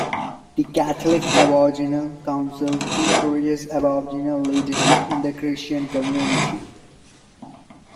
The Catholic Aboriginal Council encourages Aboriginal leadership in the Christian community.